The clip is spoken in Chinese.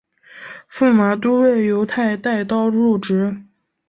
驸马都尉游泰带刀入直。